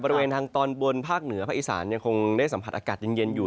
บริเวณทางตอนบนภาคเหนือภาคอีสานยังคงได้สัมผัสอากาศเย็นอยู่